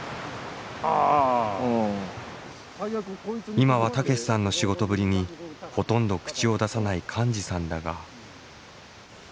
今は武さんの仕事ぶりにほとんど口を出さない寛司さんだが。